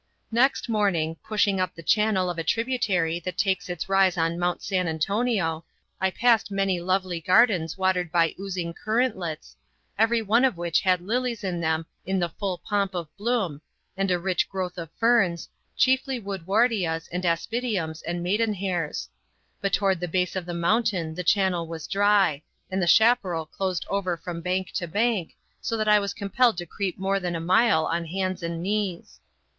Next morning, pushing up the channel of a tributary that takes its rise on Mount San Antonio, I passed many lovely gardens watered by oozing currentlets, every one of which had lilies in them in the full pomp of bloom, and a rich growth of ferns, chiefly woodwardias and aspidiums and maidenhairs; but toward the base of the mountain the channel was dry, and the chaparral closed over from bank to bank, so that I was compelled to creep more than a mile on hands and knees.